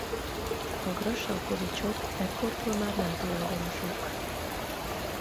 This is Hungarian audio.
A Grassalkovichok ekkortól már nem tulajdonosok.